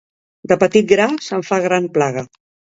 De petit gra se'n fa gran plaga.